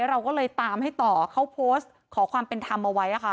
เราก็เลยตามให้ต่อเขาโพสต์ขอความเป็นธรรมเอาไว้